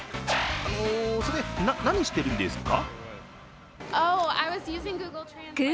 それ、な、何してるんですか？